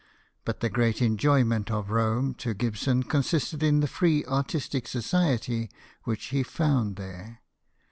But the great enjoyment of Rome to Gibson consisted in the free artistic JOHN GIBSON, SCULPTOR. 75 society which he found there.